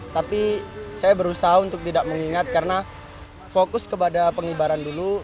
tapi saya berusaha untuk tidak mengingat karena fokus kepada pengibaran dulu